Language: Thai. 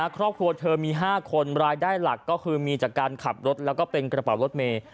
ครอบครัวเธอมี๕คนรายได้หลักก็คือมีจากการขับรถแล้วก็เป็นกระเป๋ารถเมย์